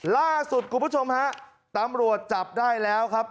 ล่าสุดคุณผู้ชมฮะตำรวจจับได้แล้วครับ